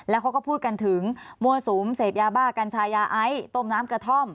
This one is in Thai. แล้วเขาก็พูดกันถึงมั่วสุมเสพยาบ้ากัญชายาไอซ์ต้มน้ำกระท่อม